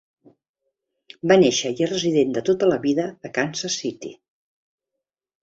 Va néixer i és resident de tota la vida a Kansas City.